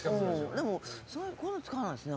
こういうのは使わないですね。